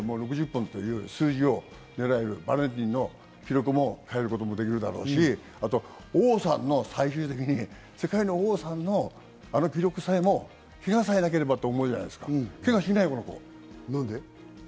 ６０本っていう数字を狙える、バレンティンの記録を変えることもできるし、王さんの、最終的に世界の王さんのあの記録さえも、けがさえなければと思うじゃないですか。